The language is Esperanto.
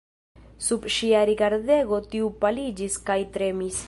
Sub ŝia rigardego tiu paliĝis kaj tremis.